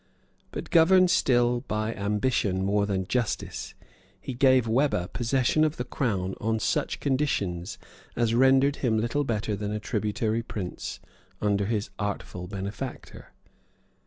But governed still by ambition more than by justice, he gave Webba possession of the crown on such conditions, as rendered him little better than a tributary prince under his artful benefactor.